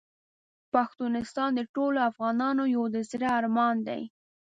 پښتونستان د ټولو افغانانو یو د زړه ارمان دی .